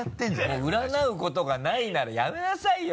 もう占うことがないならやめなさいよ